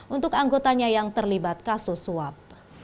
untuk anggotanya yang terlibat kasus suap